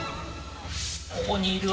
ここにいる。